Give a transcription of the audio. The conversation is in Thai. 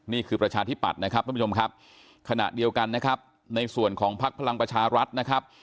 ประชาธิปัตย์นะครับท่านผู้ชมครับขณะเดียวกันนะครับในส่วนของภักดิ์พลังประชารัฐนะครับ